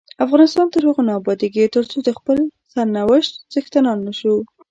افغانستان تر هغو نه ابادیږي، ترڅو د خپل سرنوشت څښتنان نشو.